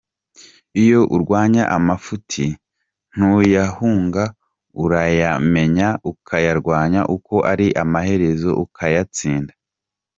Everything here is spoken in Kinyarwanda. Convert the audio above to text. Iyo urwanya amafuti ntuyahunga, urayamenya ukayarwanya uko ari, amaherezo ukayatsinda.